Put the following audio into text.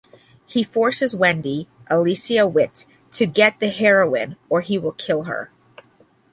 He forces Wendy (Alicia Witt) to get the heroin or he will kill her.